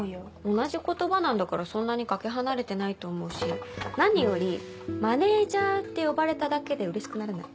同じ言葉なんだからそんなにかけ離れてないと思うし何より「マネジャー」って呼ばれただけでうれしくならない？